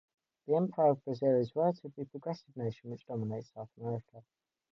The Empire of Brazil is a relatively progressive nation which dominates South America.